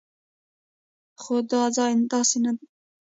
خو دا ځای داسې نه و.